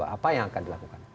apa yang akan dilakukan